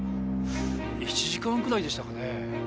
１時間くらいでしたかねぇ？